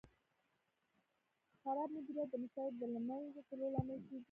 خراب مدیریت د مشتری د له منځه تلو لامل کېږي.